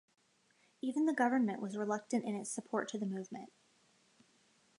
Even the government was reluctant in its support to the movement.